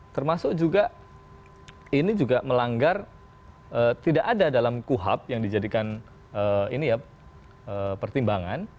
termasuk juga ini juga melanggar tidak ada dalam kuhap yang dijadikan pertimbangan